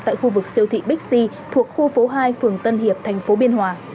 tại khu vực siêu thị bixi thuộc khu phố hai phường tân hiệp tp biên hòa